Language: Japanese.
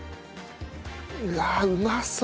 うわうまそう！